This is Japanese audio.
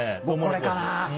これかな。